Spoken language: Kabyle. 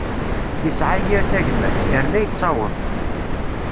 Isɛa yir tagmat, irna ittaweḍ.